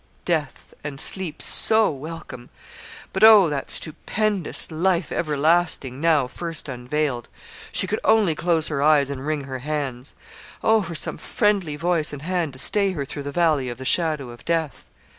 Death, and sleep so welcome! But, oh! that stupendous LIFE EVERLASTING, now first unveiled. She could only close her eyes and wring her hands. Oh! for some friendly voice and hand to stay her through the Valley of the Shadow of Death!